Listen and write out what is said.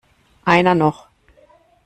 Einer noch!